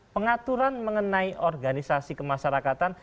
pengaturan mengenai organisasi kemasyarakatan